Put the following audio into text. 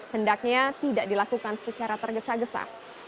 hendaknya tidak dilakukan secara tergesa gesa